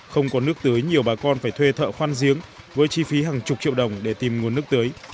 không có nước tưới nhiều bà con phải thuê thợ khoan giếng với chi phí hàng chục triệu đồng để tìm nguồn nước tưới